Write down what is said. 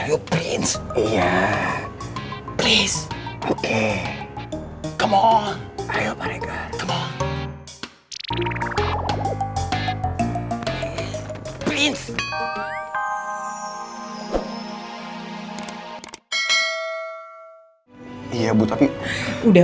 usus goreng kenapa